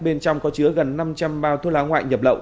bên trong có chứa gần năm trăm linh bao thuốc lá ngoại nhập lậu